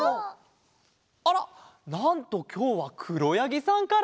あらなんときょうはくろやぎさんから？